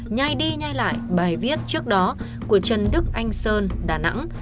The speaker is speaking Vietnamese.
nhai đi ngay lại bài viết trước đó của trần đức anh sơn đà nẵng